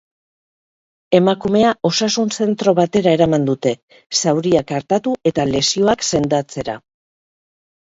Emakumea osasun zentro batera eraman dute, zauriak artatu eta lesioak sendatzera.